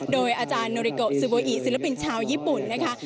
โดยอาจารย์โนริโกซูโบอิศิลปินชาวญี่ปุ่นนะคะ